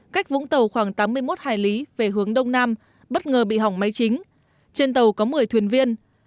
cách vũng tàu khoảng tám mươi một hải lý về hướng đông nam bất ngờ bị hỏng máy chính trên tàu có một mươi thuyền viên